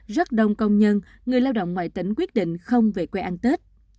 rất đông công nhân người lao động ngoại tính quyết định không về quê ăn tết